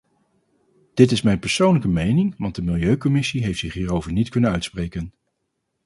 Dit is mijn persoonlijke mening, want de milieucommissie heeft zich hierover niet kunnen uitspreken.